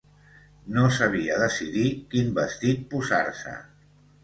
No sabia decidir quin vestit posar-se.